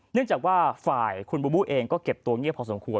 เนื่องจากว่าฝ่ายคุณบูบูเองก็เก็บตัวเงียบพอสมควร